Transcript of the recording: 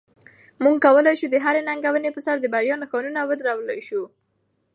موږ کولی شو د هرې ننګونې په سر د بریا نښانونه ودرولای شو.